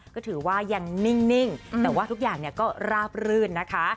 ก็ถือว่ายังนิ่งแต่ว่าทุกอย่างก็ราบรื่นนะคะ